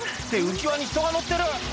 浮輪に人が乗ってる！